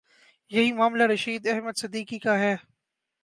یہی معاملہ رشید احمد صدیقی کا ہے۔